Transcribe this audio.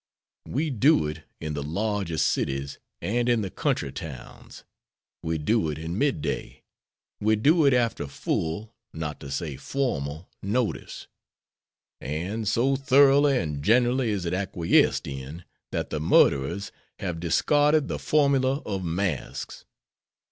We do it in the largest cities and in the country towns; we do it in midday; we do it after full, not to say formal, notice, and so thoroughly and generally is it acquiesced in that the murderers have discarded the formula of masks.